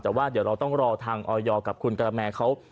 แต่ว่าเดี๋ยวเราต้องรอทางออยกับคุณกระแมเขา